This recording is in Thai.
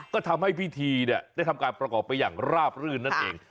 ก็ทำให้พิธีได้ทำการประกอบไปอย่างราบรื่นนั่นเอง